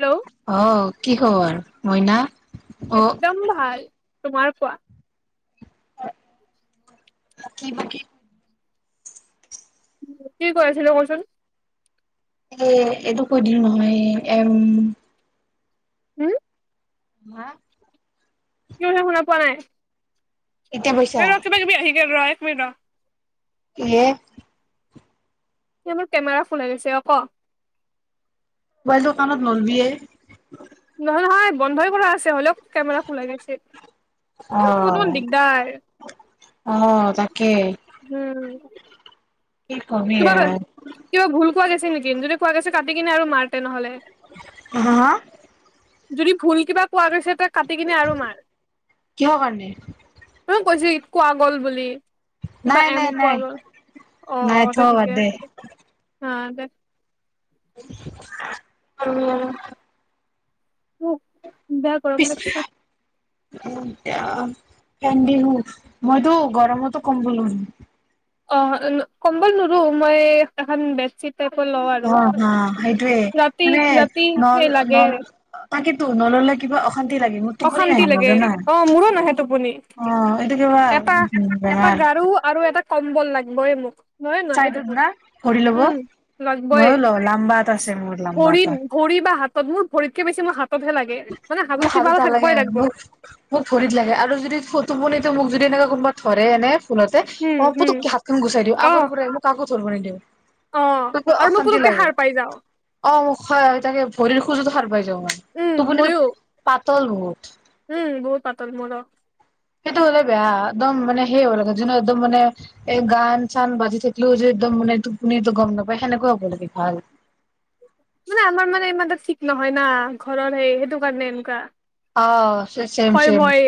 Hello অ কি খবৰ মইনা অ', একদম ভাল তোমাৰ কোৱা কি বাকি কি কৰিছিলে কচোন এ এইটো কৈ দিলো নহয় এম হুম হা কি কৈছে শুনা পোৱা নাই এতিয়া পাইছা এ ৰ কিবা কিবি আহি যায় ৰয় নে তা ইয়ে সি মোৰ কেমেৰা ফুলাই গৈছে অ' ক। মোবাইলটো কানত নলবিয়ে। নহয় নহয় বন্ধই কৰা আছে হ'লেও কমেৰা খোলাই গৈছে ফোন মোন অ', দিগদাৰ। অ', তাকে উম কি কবি এ খোৱা গৈছে নেকি, যদি খোৱা গৈছে কাটি কিনে আৰু মাৰ তেনেহলে। হ। যদি ভুল কিবা পোৱা গৈছে তাক কাটি কিনে আৰু মাৰ, কিহৰ কাৰণে? মই কৈছোঁৱেই কোৱা গ'ল বুলি। কিবা এম পোৱা গ'ল আৰু, অ। অ। হব দে। অ দে। ‌ উম। উ। বেয়া গৰম লাগিছে। য়া বিহু, মইতো গৰমতো কম বলো অ কম্বল নোৰো মই এখন বেড চিট অ হা, সেইটোৱে ৰাতি মানে ৰাতি ন, সেই ন, লাগে তাকেতো নল'লে কিবা অশান্তি লাগে মোৰ টোপনি অশান্তি নাহে মোৰ লাগে, জানা অ মোৰো নাহে টোপনি। অ এইটো কিবা এটা উম, এটা বেমাৰ গাৰু আৰু এটা কম্বল লাগিবয়ে মোক। নহয় নাহে চাইডোত না, টোপনি ভৰি ল'ব, উম লাগবই ময়ো লও, লাম্বা এটা আছে মোৰ লাম্বা এটা। ত মোৰ ভৰিতকে বেছি মই হাতত তহে লাগে মানে মোৰ হাতত হ নালাগে আৰু মোক, মোক ভৰিত লাগে। আৰু যদি টোপনিটো মোক যদি এনেকুৱ কোনবা ধৰে এনে ভোলতে, উম মই হম পোতোককে হাতখন গুচাই দিওঁ। অ আগৰ পৰাই মোক আ কৰিব নিদিয়ে অ আৰু মই তোলোকে সাৰ পাই যাওঁ। অ মোক, তাকে ভৰিৰ খোজোতো সাৰ পাই যাওঁ মানে। উম ময়ো তলমুট। উম বহুত পাতল মোৰ। সেইটো হ'লে বেয়া, একদম মানে সেই হ'ব লাগে যোনো একদম মানে এই গান চান বাজি থাকিলেও যে একদম মানে টোপনি গম নাপায় সেনেকুৱা হ'ব লাগে ভাল। মানে আমাৰ মানে ইমানটা ঠিক নহয় না ঘৰৰ সেই সেইটো কাৰণে এনেকুৱা অঁ চেম ভয় চেম ভয়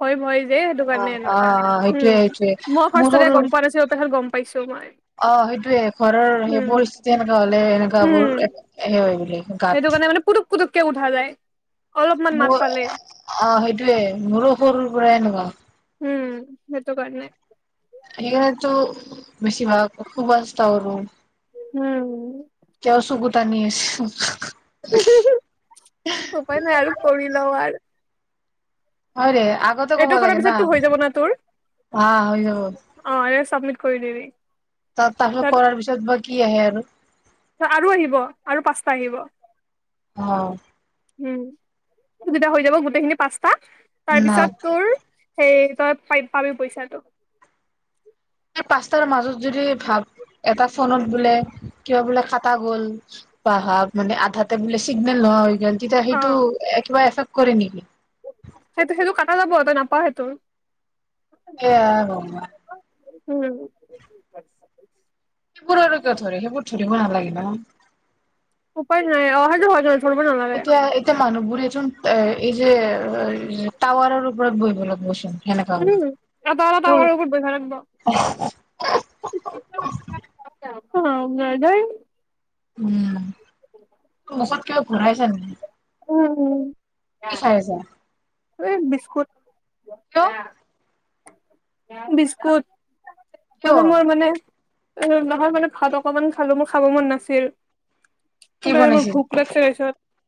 ভয় ভয় যে সেইটো কাৰণে অঁ অঁ এনেকুৱা অঁ উম সেইটোয়ে সেইটোৱে টোৱে মই মোৰ ফাৰ্ষ্টতে গম পোৱা নাছিলো পাছত গম পাইছো মই অঁ সেইটোয়ে ঘৰৰ সেই উম পৰিস্থিতি সনেকোৱা হলে সনেকোৱা বোৰ উম সেই হয় বো সেইটো কাৰণে মানে পুতুক কৈ উঠা যায় অলপমান মাত মোৰ পালে অঁ সেইটোয়ে মোৰো সৰুৰ পৰাই এনেকুৱা উম সেইটো কাৰনেই সেইটোকাৰো বেছি ভাগ খুব আছ্ত উম পানী উপায় নাই আৰু কৰি লঁও আৰু হয় দে আগতে ক'ব এইটো কৰা লাগে না পিছতো হৈ যাব না তোৰ আহ হৈ যাব। অঁ চাবমিট কৰি দিবি তাৰপাছত তাত কৰাৰ পাছত মই কি আহে আৰু আৰু আহিব আৰু পাঁচটা আহিব হম উম সেইকেইটা যাব গোটেইখিনি পাচ না তাৰপিছত তোৰ সেই তই প পাবি পইচাঁটো এই পাঁচটাৰ মাজত যদি ভাব এটা ফোনত বোলে কিবা বোলে কটা গ'ল বা ভাব মানে আধাতে বোলে চিগনেল নহয় তেতিয়া অ সেইটো একেবাৰেই কৰি নিবি সেইটো সেইটো কটা যাব তই নাপাওঁ সেইটো এ অঁ আৰু উম সেইবোৰলৈকে ধৰি সেইবোৰ ধৰিব নালাগে ন উপায় নাই অ' সেইটো হয় ধৰিব নালাগে। এতিয়া এতিয়া মানুহবোৰ ন এ এই যে টাৱাৰৰ ওপৰত বহিব লাগিবচোন সেনেকা হ'ল। উম তোৰ এটা এটাটা ওপৰত বজা লাগিব অঁ উম মূখত কিবা ভৰাই ছা নেকি উম, কি খাই আছা? এই বিস্কুট কিয় আঁহ বিসকুট। কিয় মানে মোৰ মানে। নহয় মানে ভাত অকমান খালো মোৰ খাব মন নাছিল। কি [unintelligible] বনাইছিল? ভোক লাগছে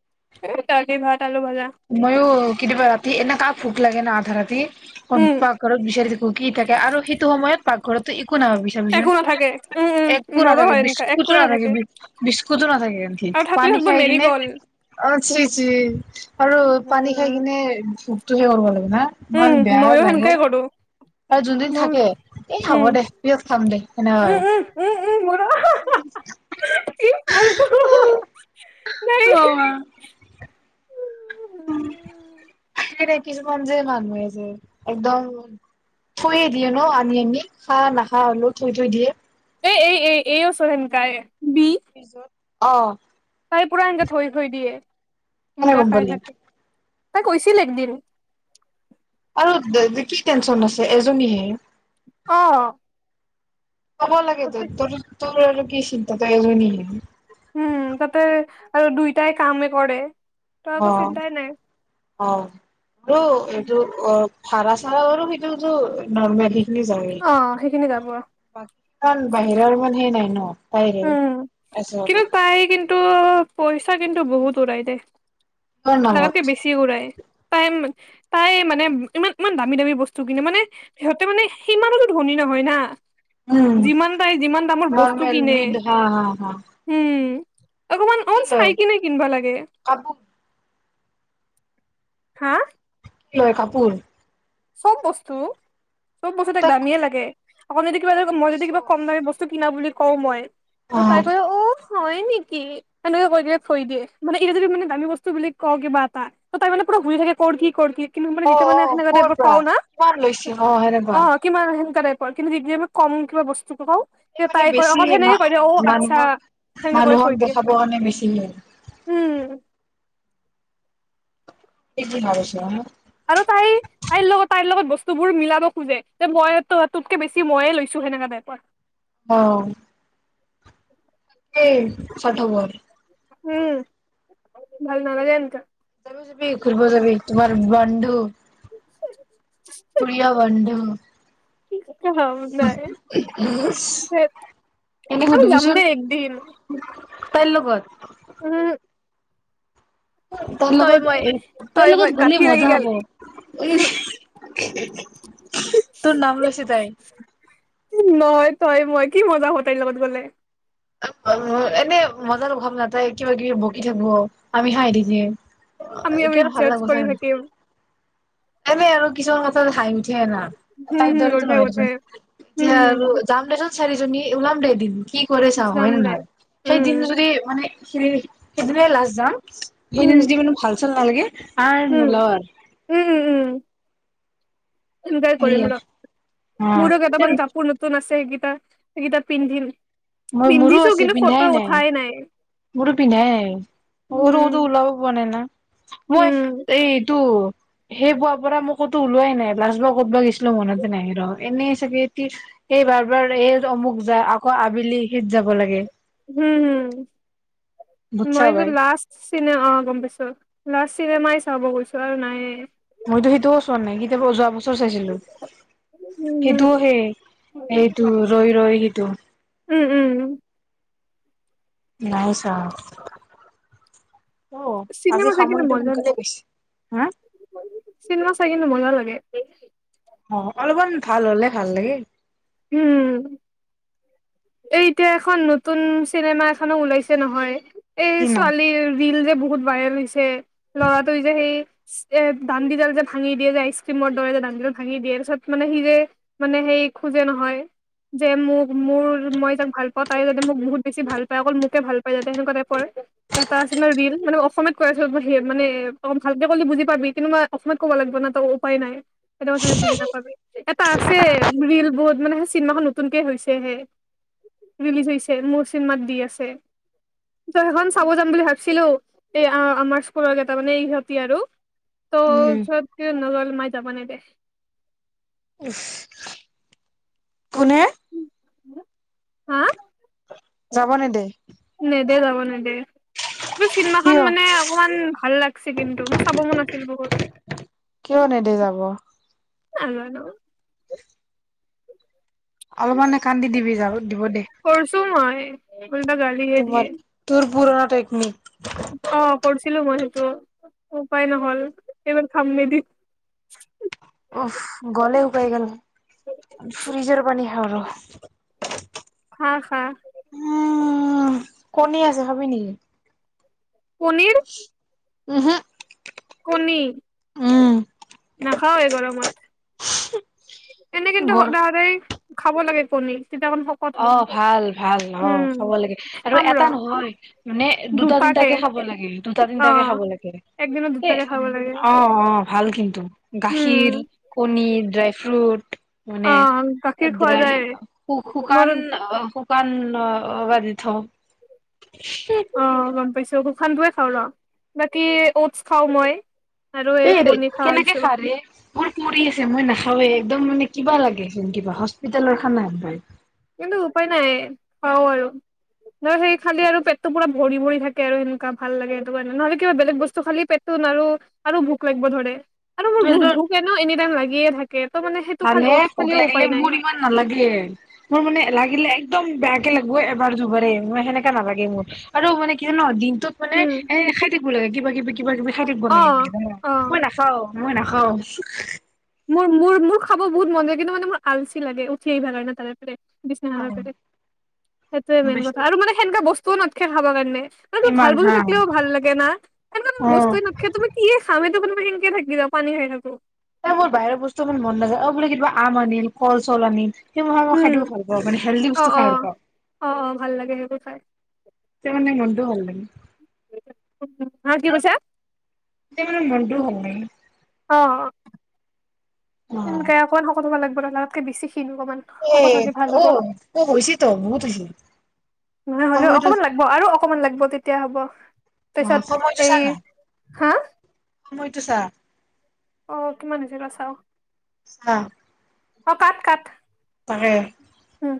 [inaudible] [unintelligible] দালি ভাত। আলু ভাজা ময়ো কেতিয়াবা ৰাতি এনেুৱা ভোক লাগে না আধা ৰাতি। দি। অ উম, পাকঘৰত বিচাৰি থাকো কি থাকে আৰু সেইটো সময়ত পাকঘৰতো একো নভাব, বিচাৰিচোন একো নাথাকে উম, উম, একো মোৰো নাথাকে হয় এনেকা বিস্কুতো একোৱে নাথাকে বি বিস্কুতো নাথাকে ন আৰু থাকিলে পানী থাকিব খাই মেৰি কিনে গ'ল। অ চি ছি। আৰু পানী খাই উম, কিনে। [unintelligible] না ইমান বেয়া লাগে। আৰু যোনদিন ম থাকে এই হ'ব হম দে পিছত খাম দে সেনেকা উম হয় উম উম উম মোৰ অ [unintelligible] স কিছুমান যে মানুহে যে একদম থৈয়ে দিয়ে ন আনি আনি খা নাখা হলেও থৈ থৈ দিয়ে। এ এই এ এইও চোন হেনকা এ। ফিজত। অ। তাই পুৰা এনেকে থৈ থৈ দিয়ে কেনে ইনেকা গম খাই পালি থাকে। তাই কৈছিল একদিন। আৰু দ কি টেনচন আছে? এজনীহে। অ। ক'ব লাগে ত তাতে তোৰ। তোৰ আৰু কি চিন্তা তই এজনী হে। উম তাতে আৰু দুইটাই কামে কৰে। ত অ একো চিন্তাই নাই অ আৰু এইযোৰ অ। সাৰা সাৰা কৰোঁ সেইটো টো নৰ্মালি। অ সেইখিনি যাব [unintelligible] বাকী ইমান বাহিৰৰ ইমান সেই নাই ন তাইৰে উম আছে কিন্তু তাই কিন্তু পইচা। [inaudible] কিন্তু বহুত উৰাই দে। তোৰ নামত লাগাতকে বেছি উৰাই তাই। তাই মানে, ইমান ইমান দামী, দামী বস্তু কিনে, মানে সিহঁতে মানে সিমানৰো ধনী নহয় না। উম যিমান তাই, যিমান দামৰ বস্তু। কিনে [unintelligible] হা হা হা। উম। অকমান কি অল চাই লয় কিনে কিনব লাগে? কাপোৰ হা লয় কাপুৰ চব বস্তু চব বস্তু তাক দামিয়েই লাগে আকণ যদি কিবা ধ মই যদি কিবা কম দামী বস্তু ক কিনা বুলি কওঁ মই ত তাই কৈ অ হয় নেকি এনেকে কৈ দিয়ে থৈ দিয়ে মানে এইটো যদি মানে দামী বস্তু বুলি ক কিবা এটা [unintelligible] তোমাৰ লৈছ অ হেনেকৱা কিমান সেনেকা কিন্তু এই কম কা বস্তু কও এই মানে তাই কয় বেছি অকল মা সেনেকে কৈ দিয় অ আচ্ছা মানুহক সেনেকে কৰি মানুহক থৈ দিয়ে দেখাব কাৰণে বেছি উম। এই কি কি ভাবিছ আৰু তাই তাইৰ লগত তাইৰ লগত বস্তুবোৰ মিলাব খোজে যে মই তোতকে বেছি ময়ে লৈছো সেনেকা টাইপত অহ ছঠ বৰ উম ভাল নালাগে যাব যাবি ঘৰিব যাবি তোমাৰ বন্ধু প্ৰিয় বন্ধু হ নাই আমি যাম দে একদিন তাই লগত অ উম তোৰ তই লগত মই এ তোৰ তই মই লগত গলে গাঁঠি লাগি মজা গল হ'ব? তোৰ নাম লৈছে তাই নহ তই মই কি মজা হ তাইৰ লগত গ'লে এনে মজাৰ অভাৱ নাথায় কিবা কিবি বকি থাকো আমি হাঁহ থ দে। আমি আমি জজ কৰি থাকিম। এনে আৰু কিছুমান কথা খাই উঠ থা হম হম তাৰদাৰতো উঠে উঠে নহ উম যাম দে চাৰিজনী ওলাম দে এদিন কি হম হয় যাম ন দে ন সেই উম দিন যদি মানে [unintelligible] সেইনে উম যদি মানো ভাল চাল নালাগে আৰু উম নোলাও আৰু উম উম উম এনজয় কৰিম সেয়ে। ৰ অ', মোৰো এই কেইটামান কাপোৰ নতুন আছে সেই সেইকেইটা পিন্ধিম। মই মোৰো পিন্ধিছো আছে কিন্তু ফটো পিন্ধাই নাই। উঠাই মোৰো পিন্ধাই নাইটো, উম ওলাব পৰা নাই না মই উম এইটো সেই বোৱাৰ পৰা মো টো ওলোৱাই নাই। লাষ্ট বাৰ ক'ত বা গৈছিলো মনতে নাই ৰ। এনেই চাগে এই বাৰ বাৰ এই অমুক যায় আকৌ [unintelligible] লাগে হম, হম। বুজছা মইযোৰ বাই লাষ্ট চিনে, অ, গম পাইছো। লাষ্ট চিনেমাই চাব গৈছো আৰু নাইয়ে। মইতো সেইটোও চোৱা নাই, কেতিয়াবা যোৱা বচ চাইছিলো, উম উম সেইটোও সেই এইটো ৰৈ ৰৈ সেইটো। উম, উম, উম। নাই চোৱা। অ আজি চিনেমা চাই কিনে সামৰিটো মজা, সোনকালে গৈছে হা চিনেমা চাই কিনে মজা লাগে। [unintelligible] অ', অলপমান ভাল হলে ভাল লাগে। উম, এইতিয়া এখন নতুন চিনেমা এখনো ওলাইছে নহয়! এই কি নাম ছোৱালী ৰিল যে বহুত ভাইৰেল হৈছে ল'ৰাটো যে সেই এ দানণ্ডিডাল যে ভাঙি দিয়ে যে আইচ ক্ৰীমৰ দৰে যে দানডিডাল ভাঙি দিয়ে তিছত মানে সি যে মানে সেই খোজে নহয় যে মোক মোৰ মই যাক ভাল পাওঁ তাই যাতে মোক বহুত বেছি ভাল পায় অকল মোকে ভাল পায় যাতে সেনেকুৱা টাইপৰ এটা আছে ৰৰিল মানে অসমীয়াত কৈ আছো মানে অ ভালকে ক'লে বুজি পাবি কিন্তু মই অসমীয়ত ক'ব লাগিব ন ত উপায় নাই। সেইটো চাগে বুজি নাপাবি। এটা আছে বিল। বহুত মানে চিনেমাখন নতুনকে হৈছেহে ৰিলিজ হৈছেহে, মোৰ চিনেমাত দি আছে। সেইখন চাব যাম বুলি ভাবছিলো। এ আমাৰ স্কুলত এটা মানে ইহঁতি আৰু। টঃ উম পিছত কি সোমাই যাব নে দে। কোনে? হা? যাব নি দে? এ যাব নে দে। চিনেমাখন কিয় মানে অকমান ভাল লাগছে কিন্তু মোৰ চাব মন আছিল বহুত। কিয় নেদে যাব নাজানো। অলপমানে কান্দি দিবি যাব দিব দে। কৰিছো মই উল্টা গালী হে তোমাৰ দিয়ে। তোৰ পুৰণা টেকনিক। অ কৰিছো ছিলো মই সেইটো উপায় নহ'ল এইবাৰ কাম নিদি উফ গ'লে শুকাই গল ফ্ৰিজৰ পানী খাও ৰ [unintelligible] খা খা কনী আছে খাবি নেকি পনীৰ উহু কনী উম নখাও এই গৰমত এনে কিন্তু গৰ সদায় সদায় খাব লাগে কণী তেতিয়া অকণ শকত অ হম ভাল ভাল অ উম খাব লাগে আৰু খাম এটা ৰ নহয় মানে দুটা দুটাকে তিনটাকে খাব লাগে দুটা অ তিনটাকে খাব লাগে একদিনত এ দুটাকে খাব লাগে অ অ ভাল কিন্তু গাখীৰ উম কণী ড্ৰাই ফ্ৰুট অ মানে গাখীৰ খোৱা যায় মোৰ শুকান অ শু শুকান অ বা দিথ অ গম পাইছো সান্দোৱে খাওঁ ৰ বাকী অটছ খাওঁ মই আৰু এই এৰে কণী খাওঁ কেনেকে দিছো খা ৰে মোৰ পৰি আছে মই নাখা চব একদম মানে কিবা লাগেচোন কিবা হস্পিতেলৰ খানা একবাৰ কিন্তু উপায় নাই খাও আৰু ন সেই খালি আৰু পেটটো পুৰা ভৰি ভৰি থাকে আৰু সেনেকোৱা ভাল লাগে সেইটো কাৰণে নহলে কিবা বেলেগ বস্তু খালি পেটটো আৰু আৰু ভোক লাগিব ধৰে আৰু মোৰ ভোক ভোক এনেও এনি টাইম লাগিয়ে থাকে ত' মানে সেইটো ভাল খালি হে অটছ ভোক খালিও লাগিলে উপায় নাই মোৰ ইমান নালাগে মোৰ মানে লাগিলে একদম বেয়াকে লাগিব এবাৰ দুবাৰে মই সেনেকা নালাগে মোৰ আৰু মানে কি জান দিন টোত মানে উম এনে খাই থাকিব ভাল হয় কিবা কিবি কিবা কিবি খাই থাকব অ লাগে জানা অ মই নাখাও মই নাখাও অ মোৰ মোৰ মোৰ খাব বহুত মন যায় কিন্তু মানে মোৰ আলচি লাগে উঠি আহিবা কাৰণে তাৰে পৰাই বিছনাখনৰ বাহিৰে সেইটোয়ে মেইন কথা আৰু মানে সেনেকা বস্তু টো নাথখে খাবা কাৰণে মানে তোৰ ইমান ভাল বস্তু হা থাকিলেও ভাল লাগে না সেনেকোৱা অ বস্তুৱে নাথকে তুমি কিহে খাম এইটো মানে সেনকে থাকি যা পানী খাই থাকো এ মোৰ বাহিৰৰ বস্তু ইমান নাযায় অ বোলে কিবা আ অনিল কলচল অনিল সেই ম মই খাই উম দ ভাল পাওঁ মানে হেল্ডি অ বস্তু অ খাই ভাল পাওঁ। অ অ ভাল লাগে সেইবোৰ খাই তেৰ মানে মটো ভাল লাগিল অ কি কৈছা এ মানে মটো ভাল ‌নাই। অ অ সকে অকণ সকলোবাল লাগে বতকে বেছি ক্ষীণ অকমান এ শকত হ'লে ভাল ত হ'ব ত হৈছে ত মহুত হৈছে নহয় হ'লেও সময়ত অকমান লাগব আৰু অকমান লাগিব তেতিয়া হ'ব তাৰিছত এই হা মই সময়টো চা অ কিমান হৈছে লাচাও চাহ অ কাট কাট তাকে উম